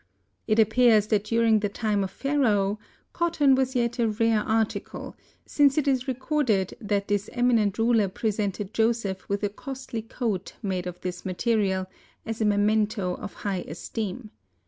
It appears that during the time of Pharaoh cotton was yet a rare article since it is recorded that this eminent ruler presented Joseph with a costly coat made of this material, as a memento of high esteem.